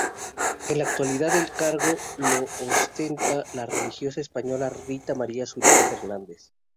En la actualidad el cargo lo ostenta la religiosa española Rita María Zurita Fernández.